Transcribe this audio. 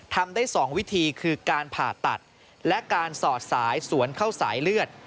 ทำได้๒วิธีคือการผ่าตัดและการสอดสายสวนเข้าสายเลือด